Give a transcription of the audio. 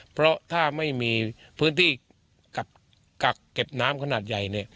เพราะถ้าไม่มีพื้นที่กักเก็บน้ำขนาดใหญ่เนี่ย